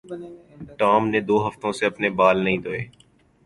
Tom نے دو ہفتوں سے اپنے بال نہیں دھوئے